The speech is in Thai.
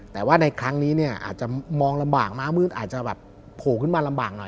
แต่ว่าในครั้งนี้เนี่ยอาจจะมองลำบากม้ามืดอาจจะแบบโผล่ขึ้นมาลำบากหน่อย